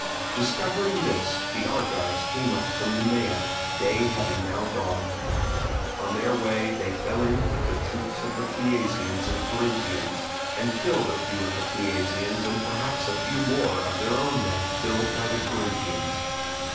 Discovering this, the Argives came up from Nemea, day having now dawned. On their way they fell in with the troops of the Phliasians and Corinthians, and killed a few of the Phliasians and had perhaps a few more of their own men killed by the Corinthians.